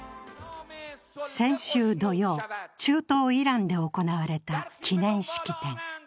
先週土曜、中東・イランで行われた記念式典。